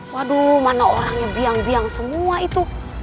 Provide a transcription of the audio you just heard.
waduh mana orangnya biang biang semua itu